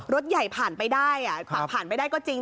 รถใหญ่ผ่านไปได้ขับผ่านไปได้ก็จริง